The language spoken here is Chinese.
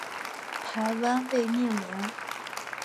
台湾未命名。